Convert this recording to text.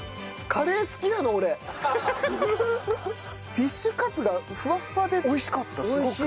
フィッシュカツがふわふわで美味しかったすごく。